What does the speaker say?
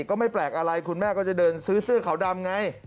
ก็ไม่แปลกอะไรคุณแม่ก็จะเดินซื้อเสื้อขาวดำไง